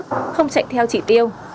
không chạy theo chỉ tiêu